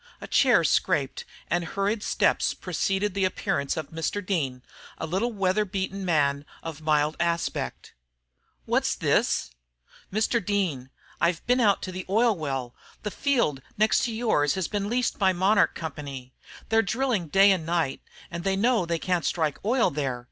A chair scraped and hurried steps preceded the appearance of Mr. Dean, a little weather beaten man, of mild aspect. "What's this?" "Mr. Dean, I've been out to the oil well. The field next to yours has been leased by the Monarch Co. They are drilling day and night, and they know they can't strike oil there.